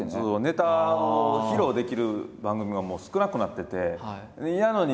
ネタを披露できる番組が少なくなってて。